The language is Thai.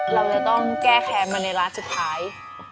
เราจะต้องแก้แค้นมาในร้านสุดท้าย